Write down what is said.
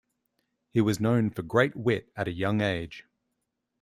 He was known for great wit at a young age.